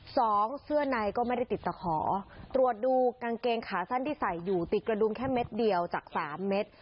สองเสื้อในก็ไม่ได้ติดตะขอตรวจดูกางเกงขาสั้นที่ใส่อยู่ติดกระดุงแค่เม็ดเดียวจากสามเม็ด